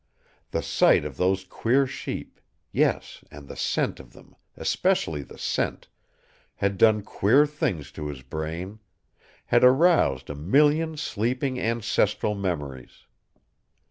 The sight of those queer sheep yes, and the scent of them, especially the scent had done queer things to his brain; had aroused a million sleeping ancestral memories.